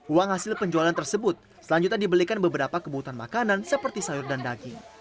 uang hasil penjualan tersebut selanjutnya dibelikan beberapa kebutuhan makanan seperti sayur dan daging